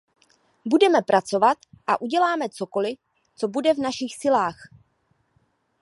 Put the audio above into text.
Budeme pracovat a uděláme cokoli, co bude v našich silách.